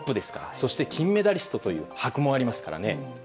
そして、金メダリストという箔もありますからね。